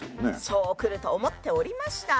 そうくると思っておりました。